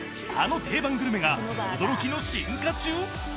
あの定番グルメが驚きの進化中！？